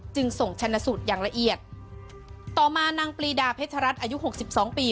จึงส่งชนะสูตรอย่างละเอียดต่อมานางปรีดาเพชรัตน์อายุหกสิบสองปี